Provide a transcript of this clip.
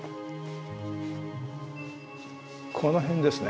この辺ですね。